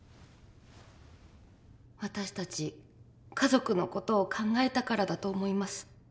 私たち家族の事を考えたからだと思います。